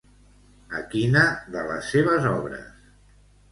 A quina de les seves obres?